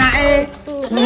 aku belum siap